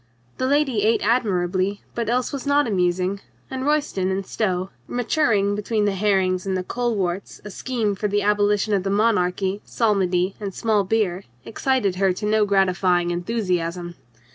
The lady ate admirably, but else was not amusing, and Royston and Stow, maturing between the herrings and the coleworts a scheme for the abolition of the monarchy, psalmody and small beer, excited her to no gratifying enthusiasm.